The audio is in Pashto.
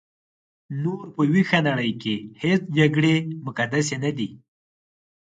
نور په ویښه نړۍ کې هیڅ جګړې مقدسې نه دي.